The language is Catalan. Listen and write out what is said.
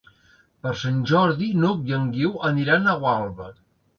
Per Sant Jordi n'Hug i en Guiu aniran a Gualba.